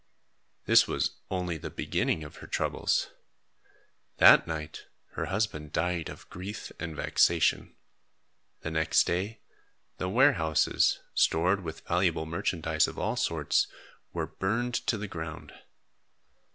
This was only the beginning of troubles. That night, her husband died of grief and vexation. The next day, the warehouses, stored with valuable merchandise of all sorts, were burned to the ground.